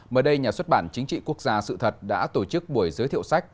mới đây nhà xuất bản chính trị quốc gia sự thật đã tổ chức buổi giới thiệu sách